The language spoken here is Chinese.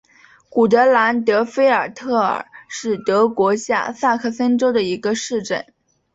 古德兰德菲尔特尔是德国下萨克森州的一个市镇。